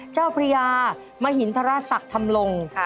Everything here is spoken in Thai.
เจ้าพรียามหินทราสักธรรมรงค์